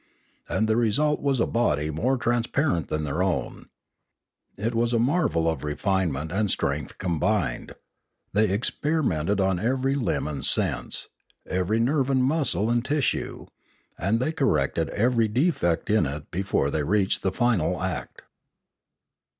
And the result was a body more transparent than their own. It was a marvel of refinement and strength combined; they experimented on every limb and sense, every nerve and muscle and tissue, and they corrected every defect in it before they reached the final act.